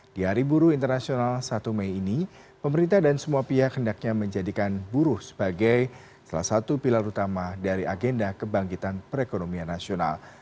di hari buruh internasional satu mei ini pemerintah dan semua pihak hendaknya menjadikan buruh sebagai salah satu pilar utama dari agenda kebangkitan perekonomian nasional